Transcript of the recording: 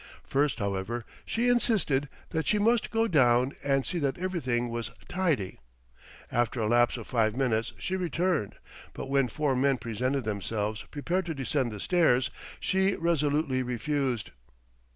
First, however, she insisted that she must go down and see that everything was tidy. After a lapse of five minutes she returned; but when four men presented themselves prepared to descend the stairs, she resolutely refused.